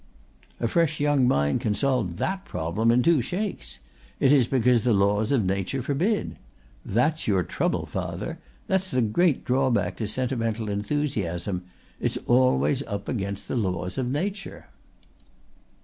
"A fresh young mind can solve that problem in two shakes. It is because the laws of nature forbid. That's your trouble, father. That's the great drawback to sentimental enthusiasm. It's always up against the laws of nature."